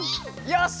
よし。